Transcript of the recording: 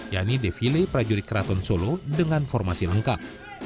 yakni defile prajurit keraton solo dengan formasi lengkap